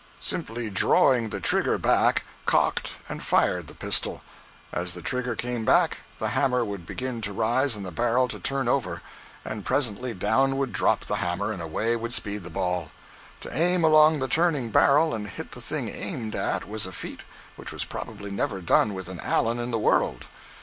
Simply drawing the trigger back, cocked and fired the pistol. As the trigger came back, the hammer would begin to rise and the barrel to turn over, and presently down would drop the hammer, and away would speed the ball. To aim along the turning barrel and hit the thing aimed at was a feat which was probably never done with an "Allen" in the world.